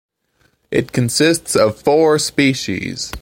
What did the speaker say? It consists of four species.